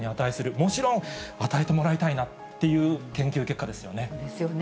もちろん与えてもらいたいなという研究結果ですよね。